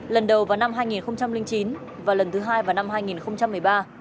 lần đầu vào năm hai nghìn chín và lần thứ hai vào năm hai nghìn một mươi ba